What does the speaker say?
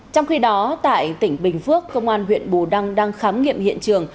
trong khi đó tại tỉnh bình phước công an huyện bù đăng đang khám nghiệm hiện trường